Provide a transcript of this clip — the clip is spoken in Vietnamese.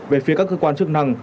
về phía các cơ quan chức năng